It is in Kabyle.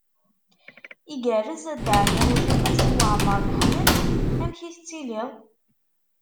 Igerrez a Dda Ɛmiiruc u Qasi Waɛmer n Ḥmed? Amek i tettiliḍ?